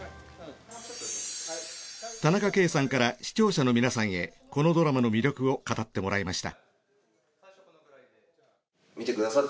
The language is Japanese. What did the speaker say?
田中圭さんから視聴者の皆さんへこのドラマの魅力を語ってもらいました。